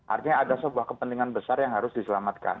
artinya ada sebuah kepentingan besar yang harus diselamatkan